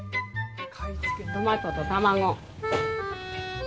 トマトと卵。